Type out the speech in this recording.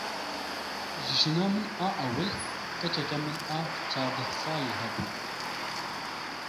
Ji jina min a ewil keçeke min a çardeh salî hebû.